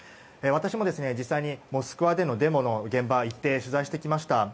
私も実際にモスクワでのデモの現場に行って取材してきました。